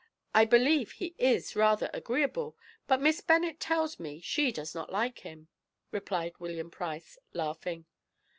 I believe he is rather agreeable, but Miss Bennet tells me she does not like him," replied William Price, laughing.